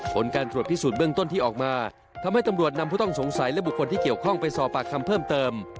ผลการตรวจพิสูจนเบื้องต้นที่ออกมาทำให้ตำรวจนำผู้ต้องสงสัยและบุคคลที่เกี่ยวข้องไปสอบปากคำเพิ่มเติม